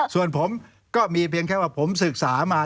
ส่วนผมก็มีเพียงแค่ว่าผมศึกษามา